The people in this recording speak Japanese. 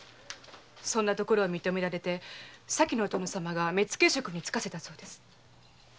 それを認められて先のお殿様が目付職に就かせたそうです。